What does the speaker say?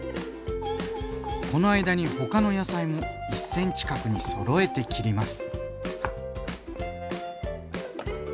この間に他の野菜も１ｃｍ角にそろえて切ります。